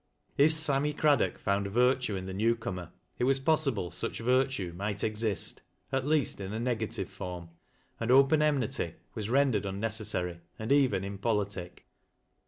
If Sara my Craddock found virtue in the new comer, it wai possible such virtue might exist, at least in a negative form, — and open enmity was rendered unnecessary, and even impolitic.